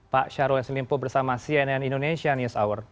pak syarul eslimbo bersama cnn indonesian news hour